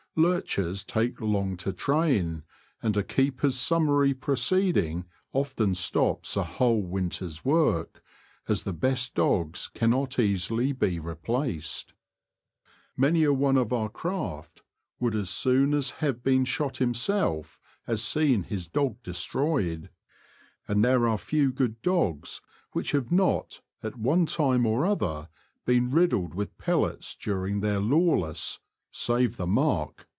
Lurchers take long to train, and a keeper's summary proceeding often stops a whole winter's work, as the best dogs cannot easily be replaced. Many a one of our craft would as soon have 64 The Confessions of a T^oacher. been shot himself as seen his dog destroyed ; and there are few good dogs which have not, at one time or other, been riddled with pellets during their lawless (save the mark